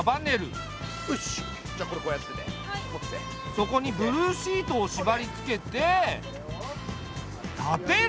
そこにブルーシートを縛りつけて立てる。